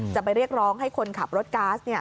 จะไปเรียกร้องให้คนขับรถก๊าซเนี่ย